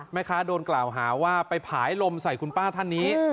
แม่ค้าโดนกล่าวหาว่าไปผายลมใส่คุณป้าท่านนี้